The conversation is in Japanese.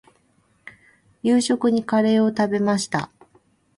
夕食にカレーを食べました。